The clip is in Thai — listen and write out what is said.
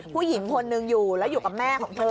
ผู้หญิงคนหนึ่งอยู่แล้วอยู่กับแม่ของเธอ